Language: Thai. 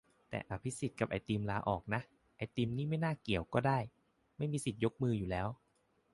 แต่อภิสิทธิ์กับไอติมลาออกนะ ไอติมนี่ไม่เกี่ยวก็ได้ ไม่มีสิทธิ์ยกมืออยู่แล้ว